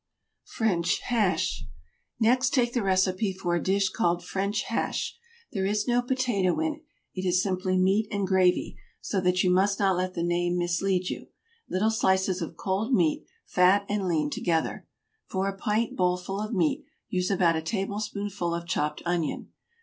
FRENCH HASH. Next take the recipe for a dish called French hash. There is no potato in it, it is simply meat and gravy, so that you must not let the name mislead you. Little slices of cold meat, fat and lean together. For a pint bowlful of meat use about a tablespoonful of chopped onion.